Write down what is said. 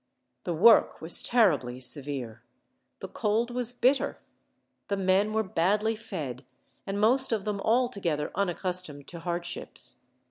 The work was terribly severe. The cold was bitter. The men were badly fed, and most of them altogether unaccustomed to hardships.